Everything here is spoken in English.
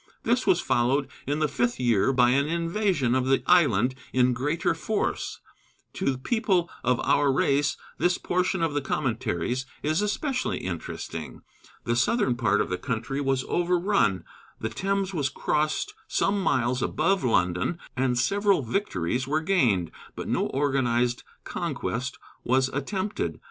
This was followed in the fifth year by an invasion of the island in greater force. To people of our race this portion of the Commentaries is especially interesting. The southern part of the country was overrun, the Thames was crossed some miles above London, and several victories were gained, but no organized conquest was attempted.